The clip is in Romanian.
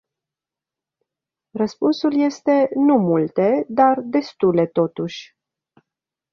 Răspunsul este nu multe, dar destule totuși.